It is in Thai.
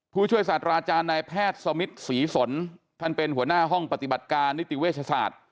ผู้ช่วยศาสตราจารย์นายแพทย์สมิทศรีสนท่านเป็นหัวหน้าห้องปฏิบัติการนิติเวชศาสตร์